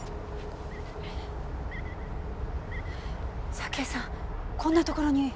沙希江さんこんなところに。